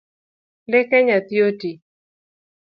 Leke nyathi oti?